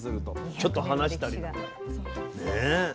ちょっと離したりとかね。